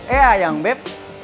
eh ayang beb